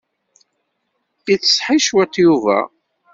Yettseḥi cwiṭ Yuba.